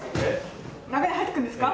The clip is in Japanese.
中へ入ってくんですか？